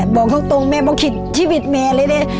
บอกตรงแม่บอกคิดแม่เลย